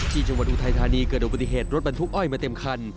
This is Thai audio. อุทัยธานีเกิดอุบัติเหตุรถบรรทุกอ้อยมาเต็มคัน